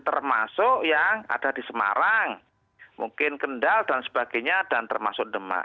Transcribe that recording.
termasuk yang ada di semarang mungkin kendal dan sebagainya dan termasuk demak